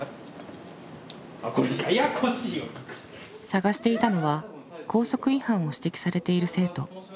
さがしていたのは校則違反を指摘されている生徒。